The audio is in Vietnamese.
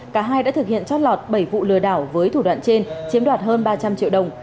cả hai đã thực hiện trót lọt bảy vụ lừa đảo với thủ đoạn trên chiếm đoạt hơn ba trăm linh triệu đồng